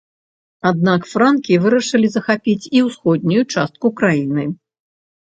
Аднак франкі вырашылі захапіць і ўсходнюю частку краіны.